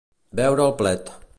Veure el plet.